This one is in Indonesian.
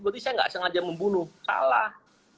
berarti saya nggak sengaja membunuh salah